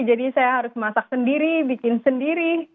jadi saya harus masak sendiri bikin sendiri